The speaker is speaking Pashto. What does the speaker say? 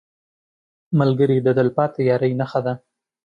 ملګری د تلپاتې یارۍ نښه ده